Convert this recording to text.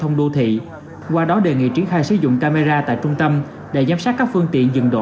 ngoài đó đề nghị triển khai sử dụng camera tại trung tâm để giám sát các phương tiện dừng đổ